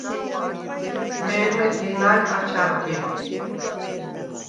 მე̄რმე დი̄ნაჲ კაჩ ანგენე.